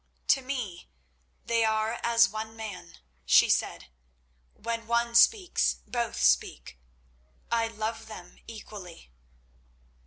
"To me they are as one man," she said. "When one speaks, both speak. I love them equally."